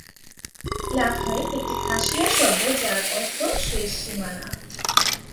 লাখাই একটি খাসিয়া শব্দ যার অর্থ শেষ সীমানা।